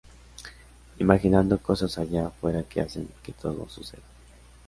Imaginando cosas allá fuera que hacen que todo suceda.